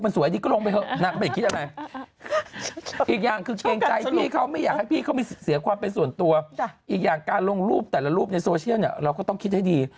มันเอากลับคืนมาไม่ได้นางเขาบอกอย่างนี้